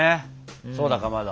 そうだかまど。